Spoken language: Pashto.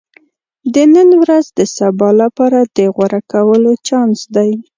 • د نن ورځ د سبا لپاره د غوره کولو چانس دی.